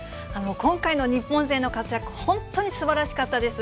今回の日本勢の活躍、本当にすばらしかったです。